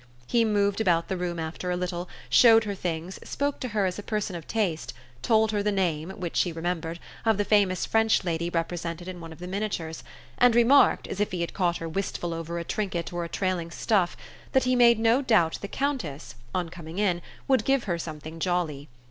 He moved about the room after a little, showed her things, spoke to her as a person of taste, told her the name, which she remembered, of the famous French lady represented in one of the miniatures, and remarked, as if he had caught her wistful over a trinket or a trailing stuff, that he made no doubt the Countess, on coming in, would give her something jolly.